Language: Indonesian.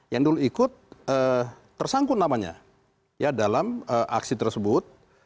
yang dulu ikut tersangkut namanya ya dalam aksi tersebut